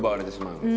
うん。